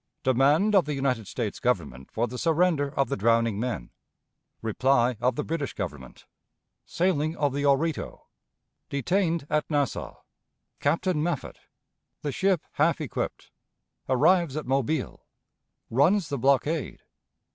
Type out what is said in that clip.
Demand of the United States Government for the Surrender of the Drowning Men. Reply of the British Government. Sailing of the Oreto. Detained at Nassau. Captain Maffit. The Ship Half Equipped. Arrives at Mobile. Runs the Blockade.